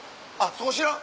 そこ知らん？